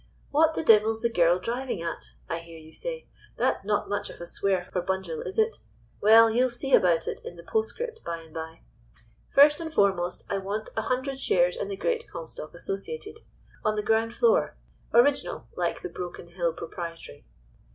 "'What the devil's the girl driving at?' I hear you say. That's not much of a swear for Bunjil, is it? Well, you'll see about it in the postscript, by and by. "First and foremost, I want a hundred shares in the Great Comstock Associated. On the ground floor. Original, like the Broken Hill Proprietary.